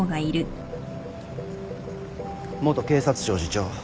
元警察庁次長